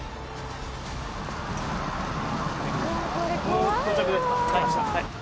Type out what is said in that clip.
もう到着ですか？